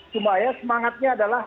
cuma ya semangatnya adalah